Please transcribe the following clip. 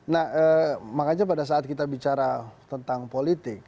nah makanya pada saat kita bicara tentang politik